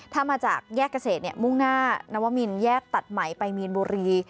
ถ้ามาจากแยกเกษตรมุ่งหน้านวมินแยกตัดไหมไปมีนบุรี